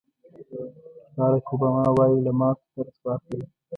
باراک اوباما وایي له ماتو درس واخلئ.